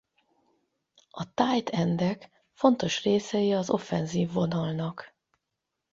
A tight endek fontos részei az offenzív vonalnak.